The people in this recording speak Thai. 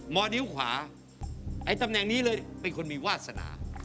อนิ้วขวาไอ้ตำแหน่งนี้เลยเป็นคนมีวาสนา